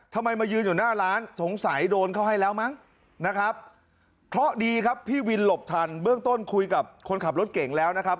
มายืนอยู่หน้าร้านสงสัยโดนเขาให้แล้วมั้งนะครับเคราะห์ดีครับพี่วินหลบทันเบื้องต้นคุยกับคนขับรถเก่งแล้วนะครับ